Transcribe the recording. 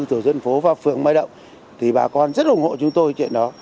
chủ dân phố và phường mai đông thì bà con rất ủng hộ chúng tôi chuyện đó